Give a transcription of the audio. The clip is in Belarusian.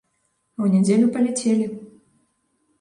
А ў нядзелю паляцелі.